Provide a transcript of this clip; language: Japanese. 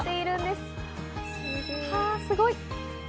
すごい！